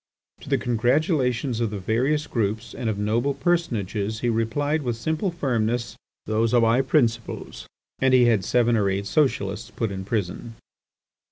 To the congratulations of the various groups and of notable personages, he replied with simple firmness: "Those are my principles!" and he had seven or eight Socialists put in prison.